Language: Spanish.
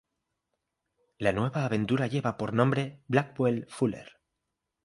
La nueva aventura lleva por nombre Blackwell Fuller.